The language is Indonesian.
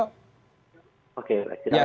oke baik silahkan